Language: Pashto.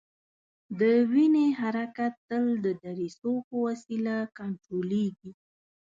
د وینې حرکت تل د دریڅو په وسیله کنترولیږي.